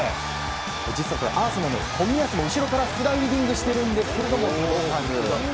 実はアーセナルの冨安も後ろからスライディングしているんですけど、届かず。